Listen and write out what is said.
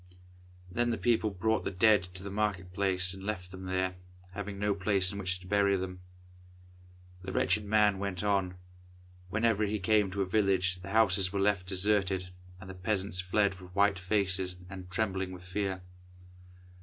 Then the people brought the dead to the market place and left them there, having no place in which to bury them. The wretched man went on. Whenever he came to a village the houses were left deserted, and the peasants fled with white faces, and trembling with fear.